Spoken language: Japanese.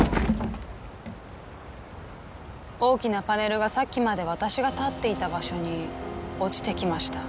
大きなパネルがさっきまで私が立っていた場所に落ちてきました。